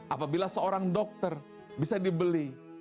apabila seorang dokter bisa dibeli